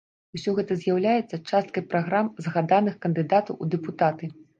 Усё гэта з'яўляецца часткай праграм згаданых кандыдатаў у дэпутаты.